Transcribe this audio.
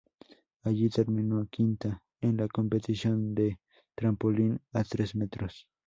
Allí terminó quinta en la competición de trampolín a tres metros.